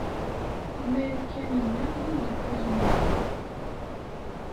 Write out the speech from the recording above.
Imarikanen-a d imdukal-nneɣ.